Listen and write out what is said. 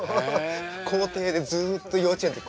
校庭でずっと幼稚園の時。